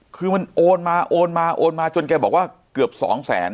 คือมันโอนมาโอนมาโอนมาจนแกบอกว่าเกือบสองแสน